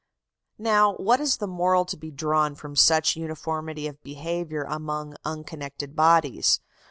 Now, what is the moral to be drawn from such uniformity of behaviour among unconnected bodies?